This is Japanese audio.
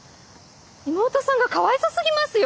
妹さんがかわいそすぎますよ。